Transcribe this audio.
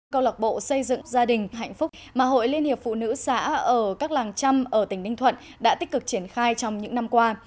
câu lạc bộ xây dựng gia đình hạnh phúc mà hội liên hiệp phụ nữ xã ở các làng trăm ở tỉnh ninh thuận đã tích cực triển khai trong những năm qua